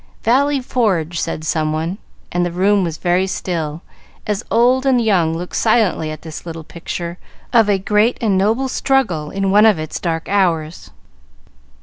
"Valley Forge," said someone, and the room was very still as old and young looked silently at this little picture of a great and noble struggle in one of its dark hours.